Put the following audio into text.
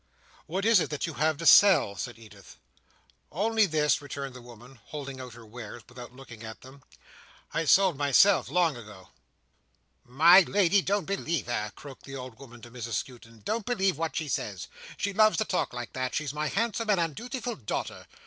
"What is it that you have to sell?" said Edith. "Only this," returned the woman, holding out her wares, without looking at them. "I sold myself long ago." "My Lady, don't believe her," croaked the old woman to Mrs Skewton; "don't believe what she says. She loves to talk like that. She's my handsome and undutiful daughter.